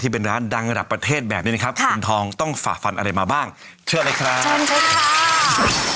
ที่เป็นร้านดังหลับประเทศแบบนี้นะครับค่ะคุณทองต้องฝาฟันอะไรมาบ้างเชื่อเลยครับเชื่อเลยครับ